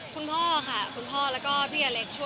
คุณพ่อข้ะคุณพ่อแล้วก็พี่อเล็ก